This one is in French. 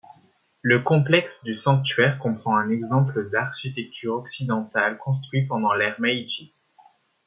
Le complexe du sanctuaire comprend un exemple d'architecture occidentale construit pendant l'ère Meiji.